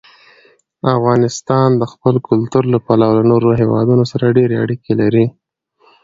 افغانستان د خپل کلتور له پلوه له نورو هېوادونو سره ډېرې اړیکې لري.